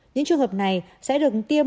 những trường hợp này sẽ được tiêm